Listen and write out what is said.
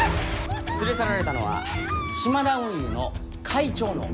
連れ去られたのはシマダ運輸の会長の孫。